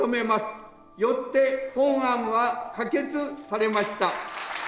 よって本案は可決されました。